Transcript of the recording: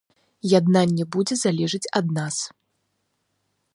Яднанне будзе залежыць ад нас.